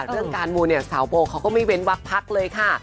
เรื่องการมูลเนี่ยสาวโบเขาก็ไม่เว้นวักพักเลยค่ะ